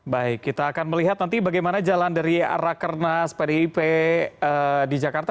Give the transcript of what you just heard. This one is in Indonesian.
baik kita akan melihat nanti bagaimana jalan dari rakernas pdip di jakarta